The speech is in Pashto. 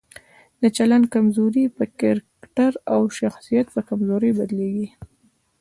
د چلند کمزوري په کرکټر او شخصیت په کمزورۍ بدليږي.